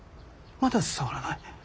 まだ伝わらない？